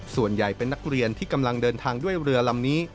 ส่วนใหญ่เป็นนักเรียนที่กำลังเดินทางด้วยเรือลำนี้